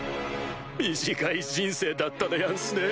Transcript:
短い人生だったでやんすね。